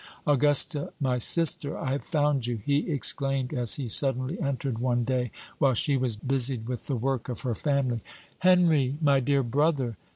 "Augusta, my sister, I have found you!" he exclaimed, as he suddenly entered one day, while she was busied with the work of her family. "Henry, my dear brother!"